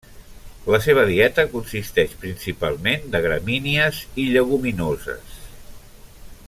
La seva dieta consisteix principalment de gramínies i lleguminoses.